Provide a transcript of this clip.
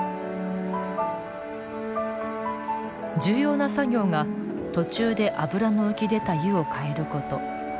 重要な作業が、途中で脂の浮き出た湯を替えること。